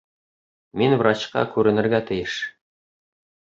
Мин врачҡа күренергә тейеш